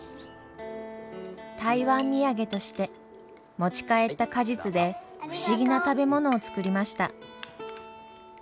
台湾土産として持ち帰った果実で不思議な食べ物を作りました。